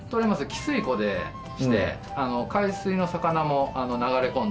汽水湖でして海水の魚も流れ込んできて。